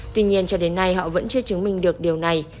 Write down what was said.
tuy nhiên cho đến nay họ vẫn chưa chứng minh được điều này